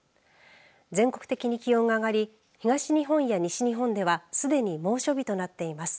全国的に気温が上がり東日本や西日本ではすでに猛暑日となっています。